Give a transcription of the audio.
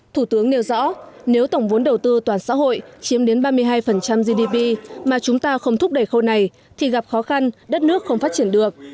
thủ tướng nêu rõ nếu tổng vốn đầu tư toàn xã hội chiếm đến ba mươi hai gdp mà chúng ta không thúc đẩy khâu này thì gặp khó khăn đất nước không phát triển được